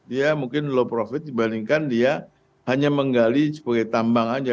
dia mungkin low profit dibandingkan dia hanya menggali sebagai tambang saja